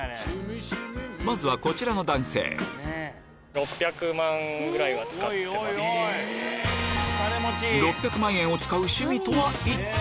まずはこちらの男性６００万円を使う趣味とは一体？